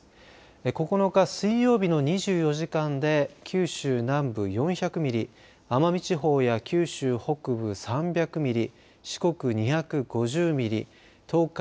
９日水曜日の２４時間で九州南部４００ミリ奄美地方や九州北部３００ミリ四国２５０ミリ東海